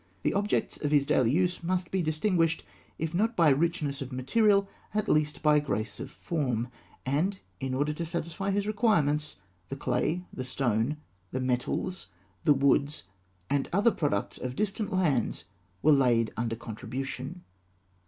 The objects of his daily use must be distinguished, if not by richness of material, at least by grace of form; and in order to satisfy his requirements, the clay, the stone, the metals, the woods, and other products of distant lands were laid under contribution.